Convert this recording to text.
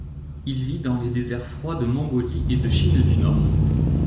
Il vit dans les déserts froids de Mongolie et de Chine du Nord.